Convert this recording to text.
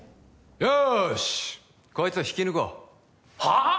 よしこいつを引き抜こうはあ？